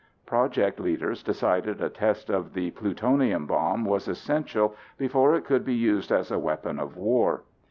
Project leaders decided a test of the plutonium bomb was essential before it could be used as a weapon of war.